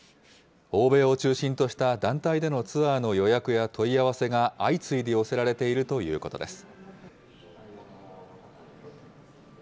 欧米を中心とした団体でのツアーの予約や問い合わせが相次いで寄せられているということです。